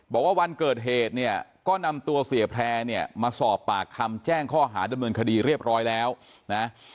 บอกว่าวันเกิดเหตุเนี่ยก็นำตัวเสียแพร่เนี่ยมาสอบปากคำแจ้งข้อหาดำเนินคดีเรียบร้อยแล้วนะ